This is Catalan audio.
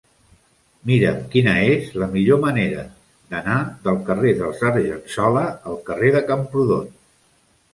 Mira'm quina és la millor manera d'anar del carrer dels Argensola al carrer de Camprodon.